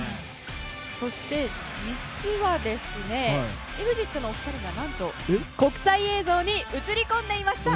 そして、実はＥＸＩＴのお二人がなんと国際映像に映り込んでいました。